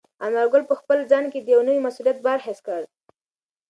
انارګل په خپل ځان کې د یو نوي مسولیت بار حس کړ.